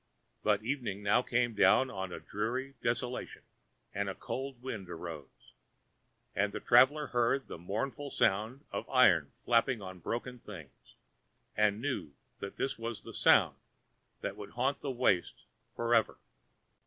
But evening now came down on a dreary desolation: and a cold wind arose; and the traveller heard the mournful sound of iron flapping on broken things, and knew that this was the sound that would haunt the waste for ever.